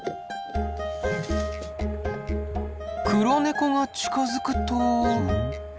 黒ネコが近づくと。